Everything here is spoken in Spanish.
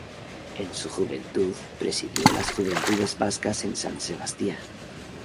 En su juventud presidió las Juventudes Vascas en San Sebastián.